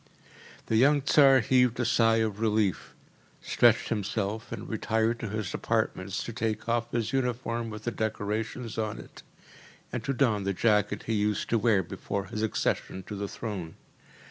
The young Tsar heaved a sigh of relief, stretched himself and retired to his apartments to take off his uniform with the decorations on it, and to don the jacket he used to wear before his accession to the throne.